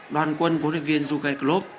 đoàn quân của luyện viên dugan klopp